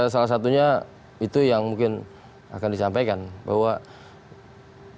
salah satunya itu yang mungkin akan disampaikan bahwa ya lagi lagi kita butuh pemeliharaan butuh dukungan pemeliharaan